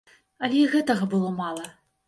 Але і гэтага было мала.